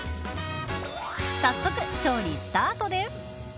早速、調理スタートです。